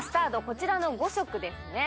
こちらの５色ですね